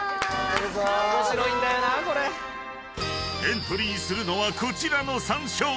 ［エントリーするのはこちらの３商品］